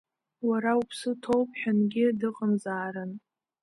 Уара уԥсы ҭоуп ҳәангьы дыҟамзаарын.